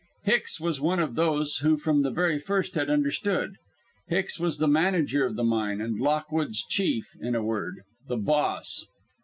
Hicks was one of those who from the very first had understood. Hicks was the manager of the mine, and Lockwood's chief in a word, the boss.